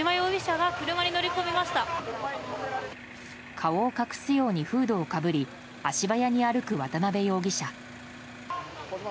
顔を隠すようにフードをかぶり足早に歩く渡辺容疑者。